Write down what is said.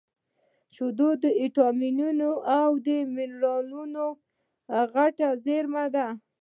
شیدې د ویټامینونو او مینرالونو غټه زېرمه ده